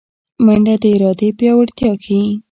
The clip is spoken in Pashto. منډه د ارادې پیاوړتیا ښيي